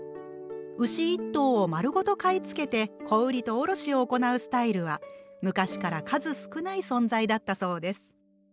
牛一頭を丸ごと買い付けて小売りと卸を行うスタイルは昔から数少ない存在だったそうです。